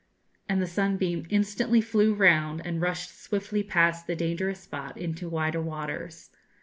and the 'Sunbeam' instantly flew round and rushed swiftly past the dangerous spot into wider waters.